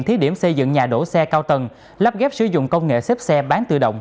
thí điểm xây dựng nhà đổ xe cao tầng lắp ghép sử dụng công nghệ xếp xe bán tự động